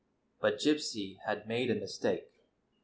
But Gypsy had made a mistake.